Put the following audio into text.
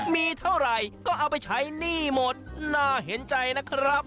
มีเท่าไหร่ก็เอาไปใช้หนี้หมดน่าเห็นใจนะครับ